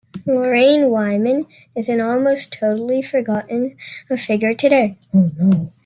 Loraine Wyman is an almost totally forgotten figure today.